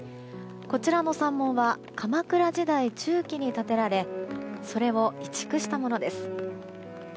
こちらの山門は鎌倉時代中期に建てられそれを移築したものです。